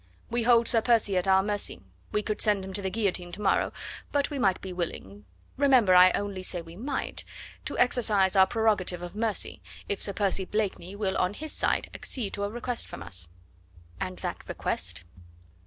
We hold Sir Percy at our mercy. We could send him to the guillotine to morrow, but we might be willing remember, I only say we might to exercise our prerogative of mercy if Sir Percy Blakeney will on his side accede to a request from us." "And that request?"